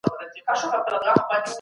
د هغه مړينه د يو سيستم ناکامي وه.